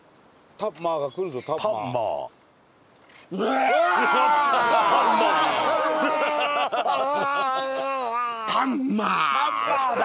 タッマーだ！